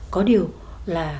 có điều là